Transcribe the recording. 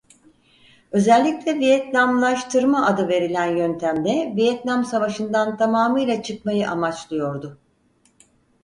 Özellikle Vietnamlaştırma adı verilen yöntemle Vietnam Savaşı'ndan tamamıyla çıkmayı amaçlıyordu.